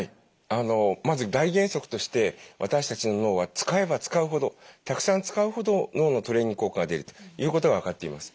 まず大原則として私たちの脳は使えば使うほどたくさん使うほど脳のトレーニング効果が出るということが分かっています。